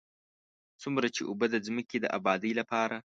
څومره چې اوبه د ځمکې د ابادۍ لپاره.